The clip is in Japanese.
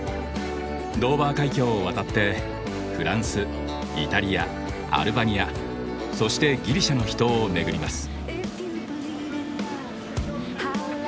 ドーバー海峡を渡ってフランスイタリアアルバニアそしてギリシャの秘湯を巡ります。